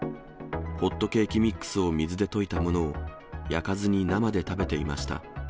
ホットケーキミックスを水で溶いたものを、焼かずに生で食べていました。